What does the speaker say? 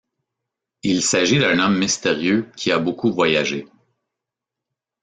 Il s'agit d'un homme mystérieux qui a beaucoup voyagé.